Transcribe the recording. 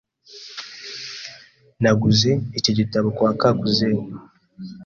Naguze iki gitabo kwa Kakuzen.